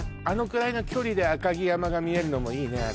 あのくらいの距離で赤城山が見えるのもいいね